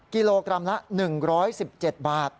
กิโลกรัมละ๑๑๗บาท